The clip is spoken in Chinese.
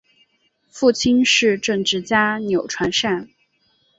父亲是政治家钮传善。